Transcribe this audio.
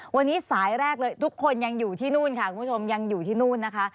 วันนี้สายแรกเลยทุกคนยังอยู่ที่นู่นค่ะคุณผู้ชมยังอยู่ที่นู่นนะคะ